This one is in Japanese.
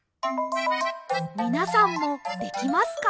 みなさんもできますか？